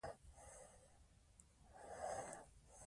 د حل لارې وړاندیز کړئ.